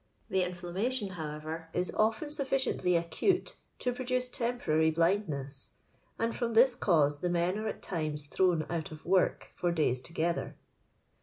The inflammation, however, is often sufficiently acute to produce temporaiy blindness, and from this cause the men are at times thrown out of work for days together."